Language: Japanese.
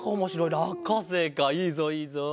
らっかせいかいいぞいいぞ。